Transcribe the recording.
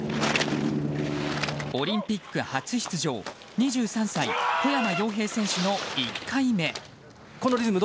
オリンピック初出場２３歳、小山陽平選手の１回目。